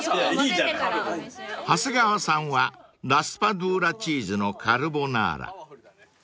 ［長谷川さんはラスパドゥーラチーズのカルボナーラ］